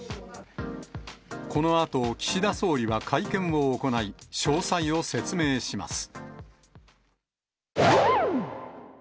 このあと、岸田総理は会見を行い、詳細を説明します。